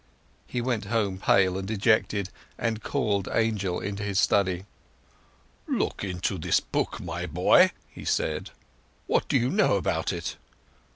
He went home pale and dejected, and called Angel into his study. "Look into this book, my boy," he said. "What do you know about it?"